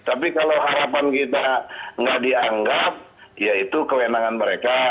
tapi kalau harapan kita nggak dianggap ya itu kewenangan mereka